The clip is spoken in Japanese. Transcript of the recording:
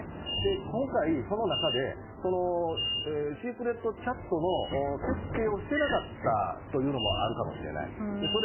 今回、その中でシークレットチャットの設定をしていなかったというのもあるかもしれない。